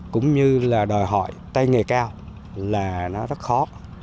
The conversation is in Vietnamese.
cũng như là đòi hỏi tay nghề cao là nó rất khó